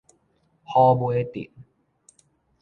虎尾鎮